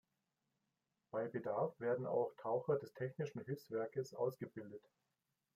Bei Bedarf werden auch Taucher des Technischen Hilfswerkes ausgebildet.